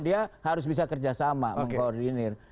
dia harus bisa kerjasama mengkoordinir